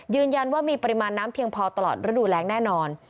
ยืนยันว่ามีปริมาณน้ำเพียงพอตลอดฤดูแรงแน่นอน